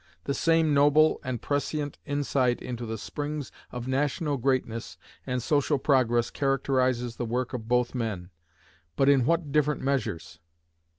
The same noble and prescient insight into the springs of national greatness and social progress characterizes the work of both men, but in what different measures?